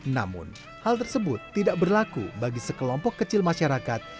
namun hal tersebut tidak berlaku bagi sekelompok kecil masyarakat